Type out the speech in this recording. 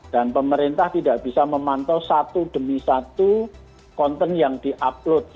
dan pemerintah tidak bisa memantau satu demi satu konten yang di upload